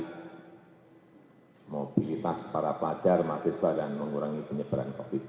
bagaimana mobilitas para pelajar mahasiswa dan mengurangi penyebaran covid sembilan